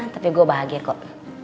tapi gue bahagia kok